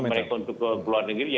mereka untuk ke luar negeri